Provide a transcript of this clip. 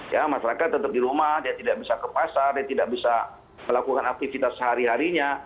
ya masyarakat tetap di rumah dia tidak bisa ke pasar dia tidak bisa melakukan aktivitas sehari harinya